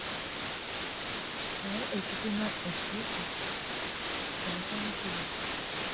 Naye ekipima ekituufu ky'asanyukira.